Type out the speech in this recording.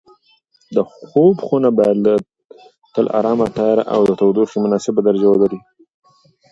د خوب خونه باید تل ارامه، تیاره او د تودوخې مناسبه درجه ولري.